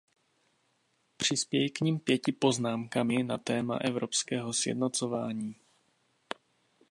Přispěji k nim pěti poznámkami na téma evropského sjednocování.